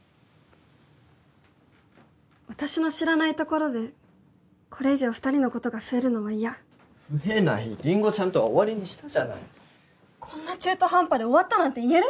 私の知らないところでこれ以上２人のことが増えるのは嫌増えないりんごちゃんとは終わりにしたじゃないこんな中途半端で終わったなんて言える？